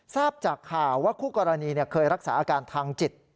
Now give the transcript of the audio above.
ทราบจากข่าวว่าคู่กรณีเคยรักษาอาการทางจิต